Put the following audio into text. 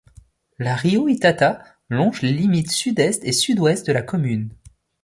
Le rio Itata longe les limites sud est et sud ouest de la commune.